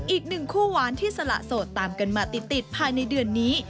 อีกหนึ่งคู่หวานที่สละโสดตามกันมาติดภายในเดือนนี้